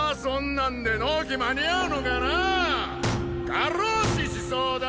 過労死しそうだ？